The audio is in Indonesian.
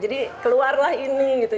jadi keluarlah ini gitu